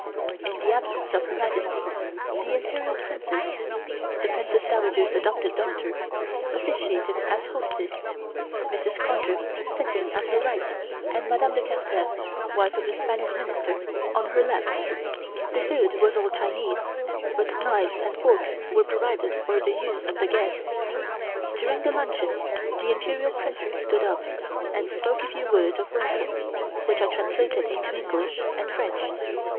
In the absence of Her Majesty, the Imperial Princess (The Empress Dowager's adopted daughter) officiated as hostess, Mrs. Conger sitting at her right and Madame de Carcer, wife of the Spanish Minister, on her left. The food was all Chinese, but knives and forks were provided for the use of the guests. During the luncheon the Imperial Princess stood up and spoke a few words of welcome, which I translated into English and French.